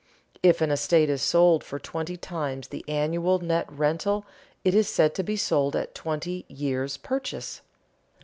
If an estate is sold for twenty times the annual net rental it is said to be sold at twenty "years' purchase."